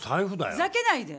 ふざけないで！